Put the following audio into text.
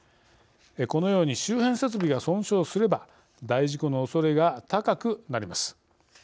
このように周辺設備が損傷すれば大事故のおそれが高くなります。